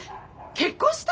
結婚した！？